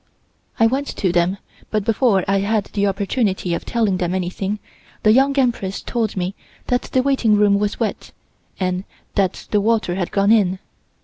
I went to them, but before I had the opportunity of telling them anything the Young Empress told me that the waiting room was wet, and that the water had gone in.